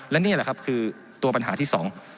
และนี่แหละครับคือตัวปัญหาที่สอง